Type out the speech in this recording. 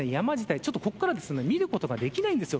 ちょっと、ここから見ることができないんですよ。